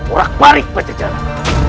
orak parik pencejaran